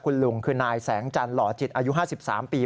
คุณลุงคือนายแสงจันหล่อจิตอายุ๕๓ปี